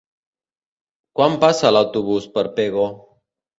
Quan passa l'autobús per Pego?